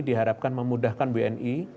diharapkan memudahkan wni